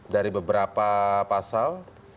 dari beberapa pasal